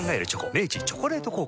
明治「チョコレート効果」